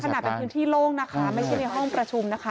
ขนาดเป็นพื้นที่โล่งนะคะไม่ใช่ในห้องประชุมนะคะ